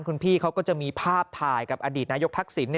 คุณพี่เขาก็จะมีภาพถ่ายกับอดีตนายกทักษิณ